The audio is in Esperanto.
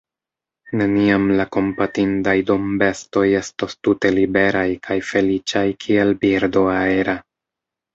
Neniam la kompatindaj dombestoj estos tute liberaj kaj feliĉaj kiel birdo aera.